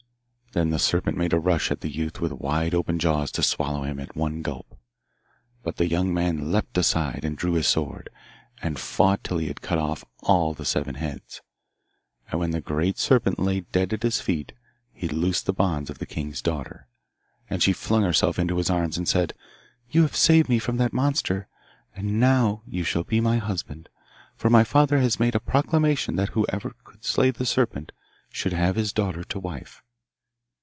Then the serpent made a rush at the youth with wide open jaws to swallow him at one gulp, but the young man leaped aside and drew his sword, and fought till he had cut off all the seven heads. And when the great serpent lay dead at his feet he loosed the bonds of the king's daughter, and she flung herself into his arms and said, 'You have saved me from that monster, and now you shall be my husband, for my father has made a proclamation that whoever could slay the serpent should have his daughter to wife.